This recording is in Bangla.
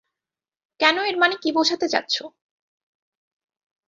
কেন এর মানে কী বোঝাতে চাচ্ছো?